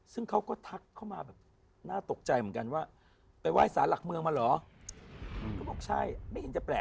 ซึ่งเขาก็ทักเข้ามาแบบน่าตกใจเหมือนกันว่า